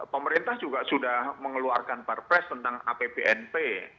pemerintah juga sudah mengeluarkan perpres tentang apbnp